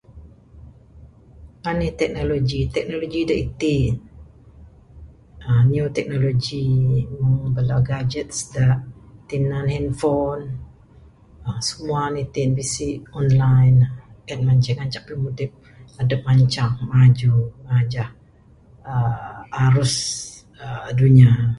Anih teknoloji, teknoloji da iti. uhh new teknoloji, mung bala gadget da'k tinan hanfon. uhh semua ne ti bisi online. En mah ceh ngancak mudip adup mancang maju, ngajah uhh arus uhh dunya.